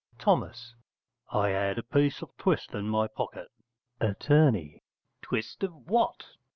Th. I had a piece of twist in my pocket. Att. Twist of what?